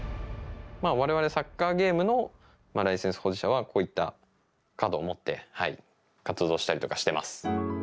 我々、サッカーゲームのライセンス保持者はこういったカードを持って活動したりとかしています。